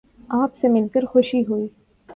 آپ سے مل کر خوشی ہوئی